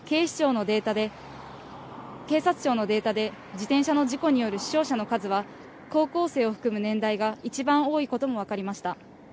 警察庁のデータで、自転車の事故による死傷者の数は、高校生を含む年代がいちばん多いことも分かりました。